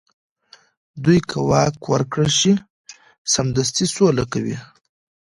دوی که واک ورکړل شي، سمدستي سوله کوي.